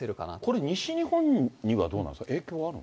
これ、西日本にはどうなんですか、影響あるの？